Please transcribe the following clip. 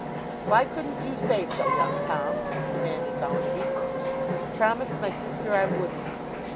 'Why couldn't you say so, young Tom?' demanded Bounderby. 'I promised my sister I wouldn't.